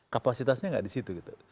kapasitasnya nggak di situ gitu